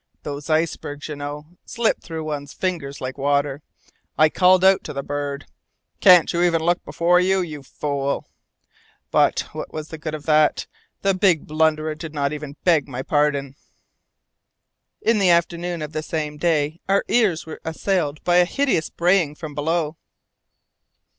Those ice ledges, you know, slip through one's fingers like water. I called out to the bird, 'Can't you even look before you, you fool?' But what was the good of that? The big blunderer did not even beg my pardon!" In the afternoon of the same day our ears were assailed by a hideous braying from below.